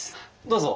どうぞ。